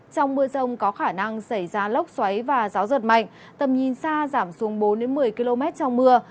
trong mưa rông có khả năng xảy ra lốc xoáy và gió giật mạnh tầm nhìn xa giảm xuống bốn một mươi km trong mưa